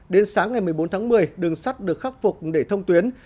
đến sáng ngày một mươi bốn tháng một mươi đường sắt được khắc phục để thông tuyến